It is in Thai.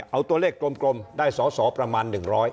เอาตัวเลขกลมได้สอสอประมาณ๑๐๐